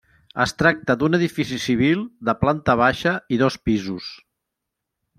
Es tracta d'un edifici civil de planta baixa i dos pisos.